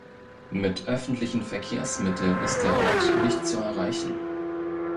Mit öffentlichen Verkehrsmitteln ist der Ort nicht zu erreichen.